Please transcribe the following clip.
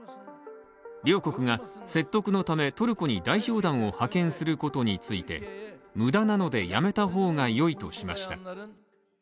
両国が説得のためトルコに代表団を派遣することについて、無駄なのでやめた方が良いとしました。